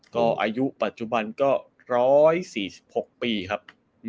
ก็อายุปัจจุบันก็๑๔๖ปีครับ